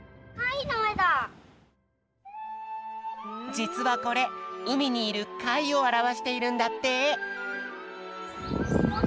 じつはこれうみにいるかいをあらわしているんだって。